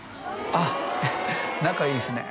あっ仲いいですね